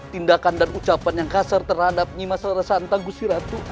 tindakan dan ucapan yang kasar terhadap nyimah sr santang gusti ratu